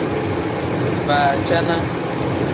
Baacana.